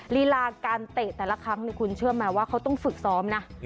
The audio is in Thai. ลีลาการเตะแต่ละครั้งคุณเชื่อไหมว่าเขาต้องฝึกซ้อมนะ